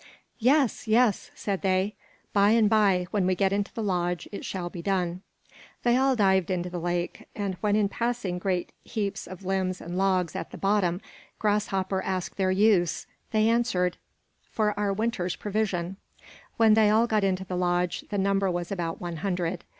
"Yes, yes!" said they. "By and by, when we get into the lodge it shall be done." They all dived into the lake, and when in passing great heaps of limbs and logs at the bottom, Grasshopper asked their use, they answered, "For our winter's provision." When they all got into the lodge the number was about one hundred.